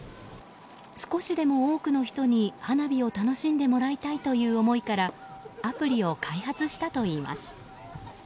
少しでも多くの人に花火を楽しんでもらいたいという思いからアプリを開発したといいます。